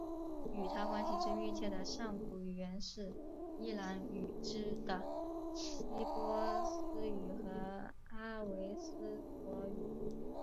与它关系最密切的上古语言是伊朗语支的古波斯语和阿维斯陀语。